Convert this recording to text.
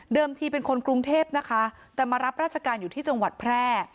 ทีเป็นคนกรุงเทพนะคะแต่มารับราชการอยู่ที่จังหวัดแพร่